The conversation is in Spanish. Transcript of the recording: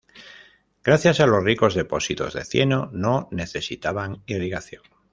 Gracias a los ricos depósitos de cieno no necesitaban irrigación.